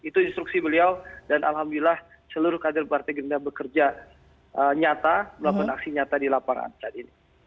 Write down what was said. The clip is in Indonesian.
itu instruksi beliau dan alhamdulillah seluruh kader partai gerindra bekerja nyata melakukan aksi nyata di lapangan saat ini